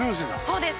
「そうです。